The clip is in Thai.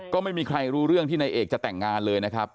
ก็ไม่มีใครรู้เรื่องที่นายเอกจะแต่งงานเลยนะครับ